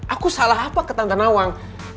aku salah apa ke tante nawang